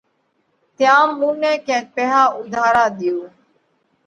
تيام مُون نئہ ڪينڪ پئِيها اُوڌارا ۮيو۔